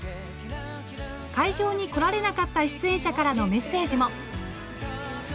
会場に来られなかった出演者からのメッセージも。